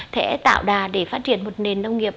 sẽ tạo đà để phát triển một nền nông nghiệp